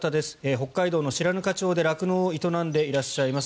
北海道の白糠町で酪農を営んでいらっしゃいます